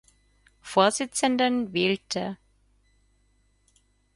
Vorsitzenden wählte.